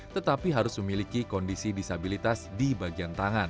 tetapi harus memiliki kondisi disabilitas di bagian tangan